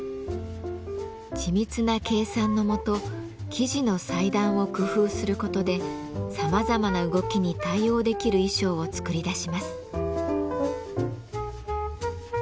緻密な計算のもと生地の裁断を工夫する事でさまざまな動きに対応できる衣装を作り出します。